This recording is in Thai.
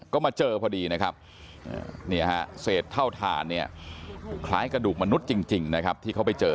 ก็มาเจอพอดีนะครับเศษเท่าฐานเนี่ยคล้ายกระดูกมนุษย์จริงนะครับที่เขาไปเจอ